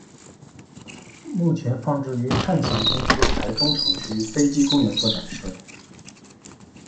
目前放置于汉翔公司台中厂区飞机公园做展示。